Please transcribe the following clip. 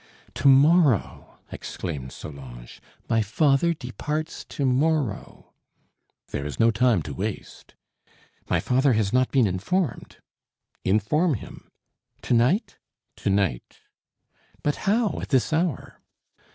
"To morrow," exclaimed Solange; "my father departs tomorrow!" "There is no time to waste." "My father has not been informed." "Inform him." "To night?" "To night." "But how, at this hour?"